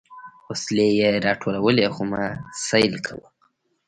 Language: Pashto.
وسلې يې راټولولې خو ما سيل کاوه.